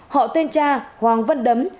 họ tên cha hoàng vân đấm